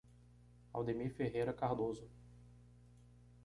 Aldemir Ferreira Cardoso